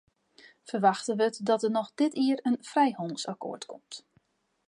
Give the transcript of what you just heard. Ferwachte wurdt dat der noch dit jier in frijhannelsakkoart komt.